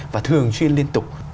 và thường xuyên liên tục